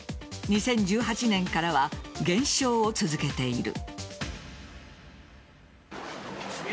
２０１８年からは減少を続けている。